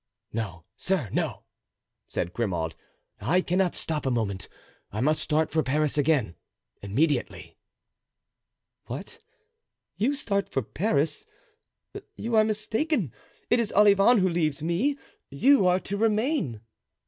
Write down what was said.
"No, sir, no," said Grimaud. "I cannot stop a moment; I must start for Paris again immediately." "What? You start for Paris? You are mistaken; it is Olivain who leaves me; you are to remain."